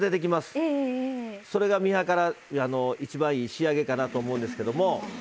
それが、一番いい仕上げかなと思うんですけども。